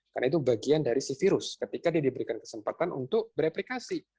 karena itu bagian dari virus ketika diberikan kesempatan untuk bereplikasi